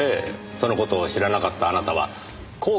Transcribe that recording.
その事を知らなかったあなたはこう考えた。